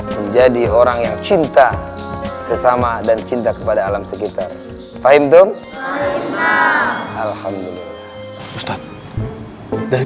menjadi orang yang cinta sesama dan cinta kepada alam sekitar alhamdulillah ustadz dan